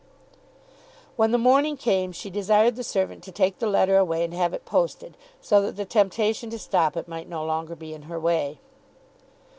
When the morning came she desired the servant to take the letter away and have it posted, so that the temptation to stop it might no longer be in her way.